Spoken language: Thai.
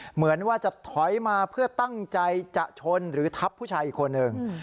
เหมือนว่าจะถอยมาเพื่อตั้งใจจะชนหรือทับผู้ชายอีกคนหนึ่ง